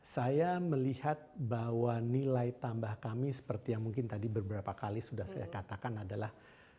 saya melihat bahwa nilai tambah kami seperti yang mungkin tadi beberapa kali sudah saya katakan adalah